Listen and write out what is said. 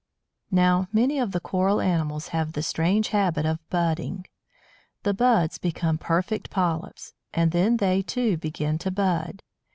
Now, many of the Coral animals have the strange habit of budding. The buds become perfect polyps, and then they, too, begin to bud.